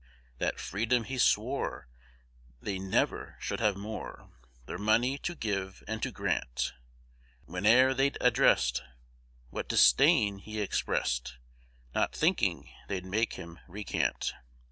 That freedom he swore They ne'er should have more, Their money to give and to grant; Whene'er they addressed, What disdain he express'd, Not thinking they'd make him recant.